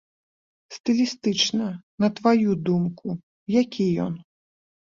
Стылістычна, на тваю думку, які ён?